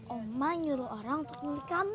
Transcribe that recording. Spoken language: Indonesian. oma nyuruh orang untuk nyelidik kamu